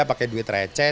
pakai duit receh